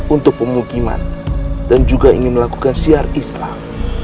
untuk pengukiman dan juga ingin melakukan siar islam